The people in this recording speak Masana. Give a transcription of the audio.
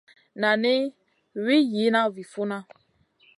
Nani mi Wii yihna vi funna.